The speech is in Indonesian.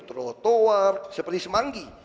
trotoar seperti semanggi